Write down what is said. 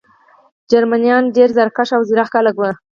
جرمنان ډېر زیارکښ او ځیرک خلک وو